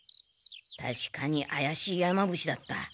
たしかにあやしい山伏だった。